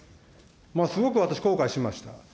すごく私、後悔しました。